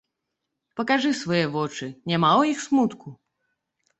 Пакажы свае вочы, няма ў іх смутку?